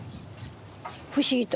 不思議と。